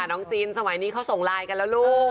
น้องจีนสมัยนี้เขาส่งไลน์กันแล้วลูก